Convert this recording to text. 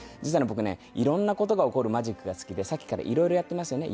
僕ね色んな事が起こるマジックが好きでさっきから色々やっていますよね。